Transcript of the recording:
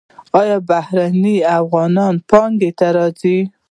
آیا بهرنی افغانان پانګونې ته راځي؟